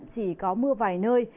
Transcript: chỉ có mưa vài nơi